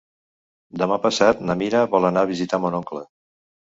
Demà passat na Mira vol anar a visitar mon oncle.